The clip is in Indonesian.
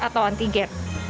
atau swab antigen